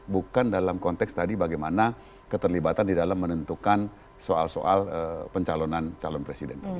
bukan dalam konteks tadi bagaimana keterlibatan di dalam menentukan soal soal pencalonan calon presiden